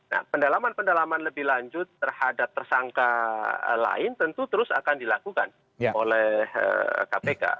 nah pendalaman pendalaman lebih lanjut terhadap tersangka lain tentu terus akan dilakukan oleh kpk